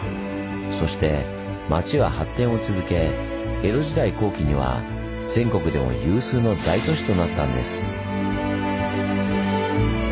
そして町は発展を続け江戸時代後期には全国でも有数の大都市となったんです。